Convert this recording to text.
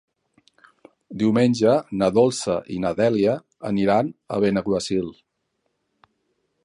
Diumenge na Dolça i na Dèlia aniran a Benaguasil.